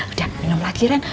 udah minum lagi ren